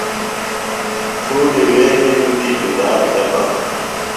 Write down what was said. تھوݨی روینی توۡ دی جدا بھےۡ بہ۔